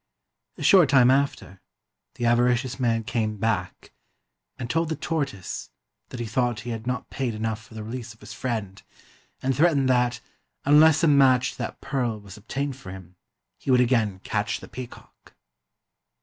A short time after, the avaricious man came back and told the tortoise that he thought he had not paid enough for the release of his friend, and threatened that, unless a match to that pearl was obtained for him, he would 73 INDIA again catch the peacock.